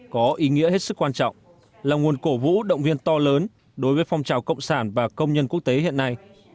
có ý nghĩa hết sức quan trọng là nguồn cổ vũ động viên to lớn đối với phong trào cộng sản và công nhân quốc tế hiện nay